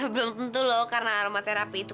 belum tentu loh karena aroma terapi itu